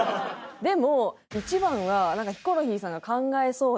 でも１番はヒコロヒーさんが考えそうな。